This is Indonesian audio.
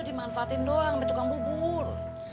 dimanfaatin doang di tukang bubur